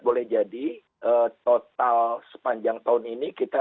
boleh jadi total sepanjang tahun ini kita